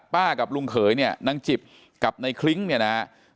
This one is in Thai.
ป้ากับลุงเขยเนี่ยนางจิบกับนายคลิ้งเนี่ยนะครับ